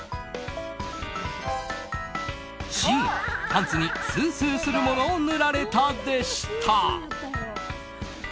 Ｃ、パンツにスースーするものを塗られたでした。